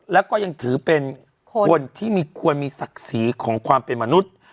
แล้วก็ยังถือเป็นคนที่มีควรมีศักดิ์ศรีของความเป็นมนุษย์